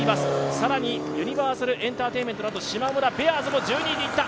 更にユニバーサルエンターテインメントなどしまむら、ベアーズも１２位でいった。